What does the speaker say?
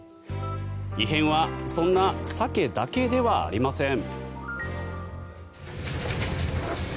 異変はそんなサケだけではありません。